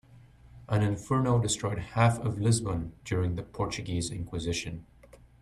An inferno destroyed half of Lisbon during the Portuguese inquisition.